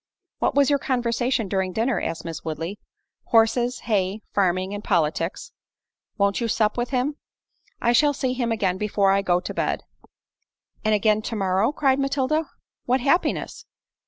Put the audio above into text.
"What was your conversation during dinner?" asked Miss Woodley. "Horses, hay, farming, and politics." "Won't you sup with him?" "I shall see him again before I go to bed." "And again to morrow!" cried Matilda, "what happiness!"